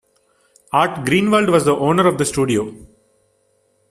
Art Greenwald was the owner of the studio.